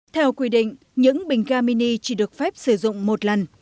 theo quy định những bình ga mini chỉ được phép sử dụng một lần